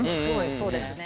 そうですね。